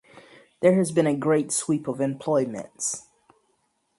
There has been a great sweep of employments.